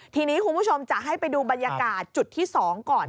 ทีนี้คุณผู้ชมจะให้ไปดูบรรยากาศจุดที่๒ก่อน